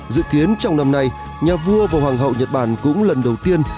dự kiến trong năm nay nhà vua và hoàng hậu nhật bản cũng lần đầu tiên